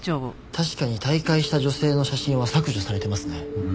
確かに退会した女性の写真は削除されてますね。